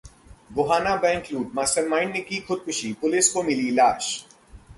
Gohana bank लूट: mastermind ने की खुदकुशी, पुलिस को मिली लाश